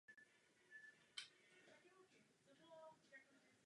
Jihozápadním směrem stojí kaple Tří králů dostupná po modré turistické trase.